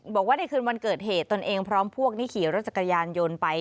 บอกว่าในคืนวันเกิดเหตุตนเองพร้อมพวกนี้ขี่รถจักรยานยนต์ไป